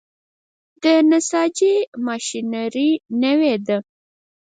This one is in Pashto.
د نساجي ماشینري نوې ده؟